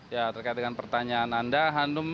ya terkait dengan pertanyaan anda hanum